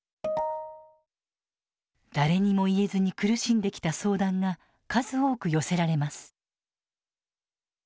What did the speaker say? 誰にも言えずに苦しんできた相談が数多く寄せられます。